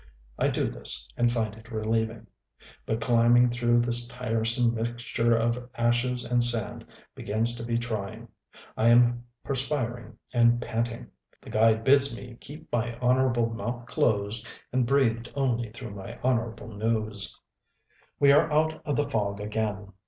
I do this, and find it relieving. But climbing through this tiresome mixture of ashes and sand begins to be trying. I am perspiring and panting. The guide bids me keep my honorable mouth closed, and breathe only through my honorable nose. We are out of the fog again....